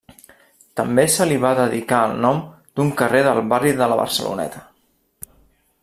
També se li va dedicar el nom d’un carrer del barri de la Barceloneta.